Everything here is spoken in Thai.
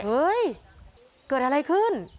เฮ้ยเกิดอะไรขึ้น